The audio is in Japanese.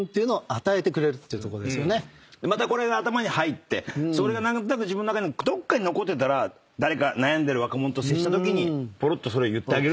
またこれが頭に入って何となく自分の中のどっかに残ってたら誰か悩んでる若者と接したときにぽろっとそれを言ってあげる。